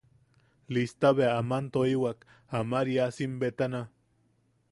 Lista bea aman toiwak Amariasim betana.